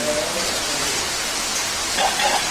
په پنجرو کي له چیغاره سره نه جوړیږي